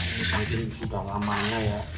ini saya kirim sudah lama ya